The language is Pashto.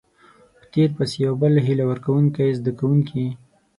په تير پسې يو بل هيله ورکوونکۍ زده کوونکي